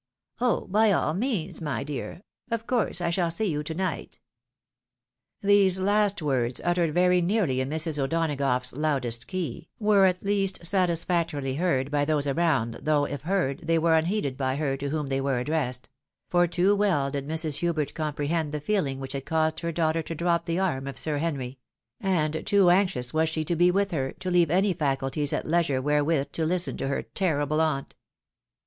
" Oh ! by all means, my dear ; of course, I shall see you to night." These last words, uttered very nearly in Mrs. O'Donagough's loudest key, were at least satisfactorily heard by those around though, if heard, they were unheeded by her to whom they were addressed ; for too well did Mrs. Hubert comprehend the feeling which had caused her daughter to drop the arm of Sir Henry ; and too anxious was she to be with her, to leave any faculties at leisure wherewith to listen to her terrible aunt.